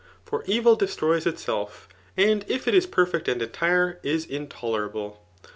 For evil destroys itself and if it is perfect and entire is intoterable.